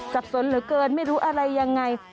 สับสนเหลือเกินไม่รู้อะไรยังไง